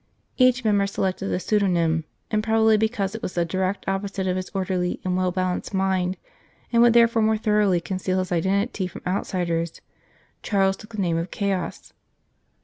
Each member selected a pseudonym, and prob ably because it was the direct opposite of his orderly and well balanced mind, and would therefore more thoroughly conceal his identity from outsiders, Charles took the name of Chaos.